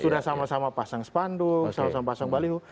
sudah sama sama pasang spanduk sama sama pasang baliho